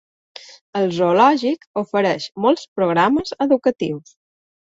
El zoològic ofereix molts programes educatius.